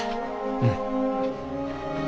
うん。